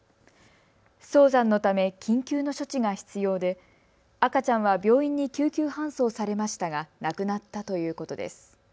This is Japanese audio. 早産のため緊急の処置が必要で赤ちゃんは病院に救急搬送されましたが亡くなったということです。